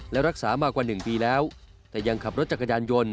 และรักษามากว่า๑ปีแล้วแต่ยังขับรถจักรยานยนต์